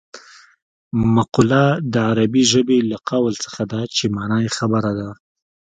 مقوله د عربي ژبې له قول څخه ده چې مانا یې خبره ده